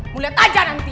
mulai tajam nanti